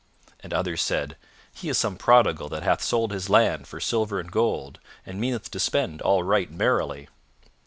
And others said, "He is some prodigal that hath sold his land for silver and gold, and meaneth to spend all right merrily."